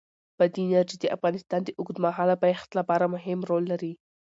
بادي انرژي د افغانستان د اوږدمهاله پایښت لپاره مهم رول لري.